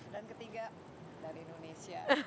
dan ketiga dari indonesia